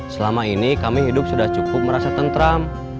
selama ini kami hidup sudah cukup merasa tentram